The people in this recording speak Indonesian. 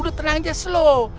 udah tenang aja slow